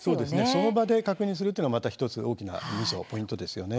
その場で確認するというのはまた１つ、大きなミソポイントですよね。